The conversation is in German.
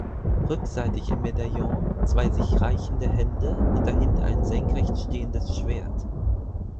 Rückseitig im Medaillon zwei sich reichende Hände und dahinter ein senkrecht stehendes Schwert.